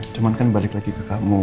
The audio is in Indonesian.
cuman kan balik lagi ke kamu